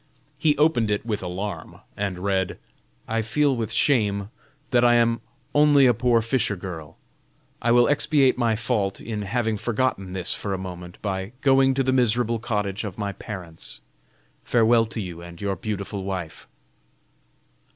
He opened it with alarm, and read: "I feel with shame that I am only a poor fisher girl. I will expiate my fault in having forgotten this for a moment by going to the miserable cottage of my parents. Farewell to you and your beautiful wife."